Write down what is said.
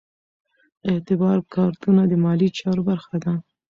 اعتبار کارتونه د مالي چارو برخه ده.